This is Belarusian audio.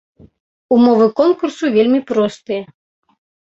Умовы конкурсу вельмі простыя.